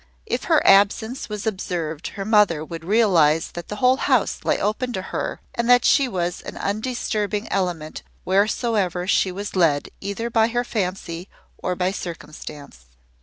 If her absence was observed her mother would realize that the whole house lay open to her and that she was an undisturbing element wheresoever she was led either by her fancy or by circumstance.